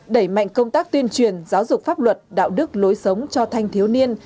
đẩy mạnh công tác tuyên truyền giáo dục pháp luật đạo đức lối sống cho thanh thiếu niên